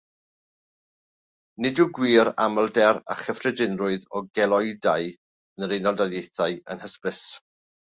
Nid yw gwir amlder a chyffredinrwydd o geloidau yn yr Unol Daleithiau yn hysbys.